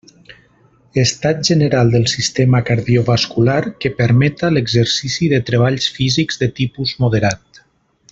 Estat general del sistema cardiovascular que permeta l'exercici de treballs físics de tipus moderat.